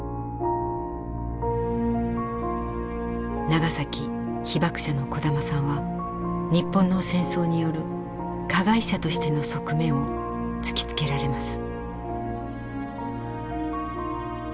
長崎・被爆者の小玉さんは日本の戦争による加害者としての側面を突きつけられます。